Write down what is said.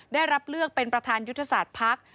ได้รับเลือกเป็นประธานยุทธศาสตร์ภักดิ์